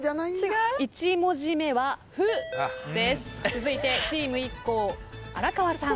続いてチームＩＫＫＯ荒川さん。